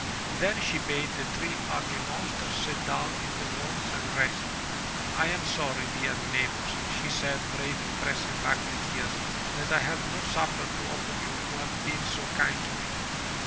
Then she bade the three ugly monsters sit down in the warmth and rest. "I am sorry, dear neighbors," she said, bravely pressing back the tears, that I have no supper to offer you who have been so kind to me."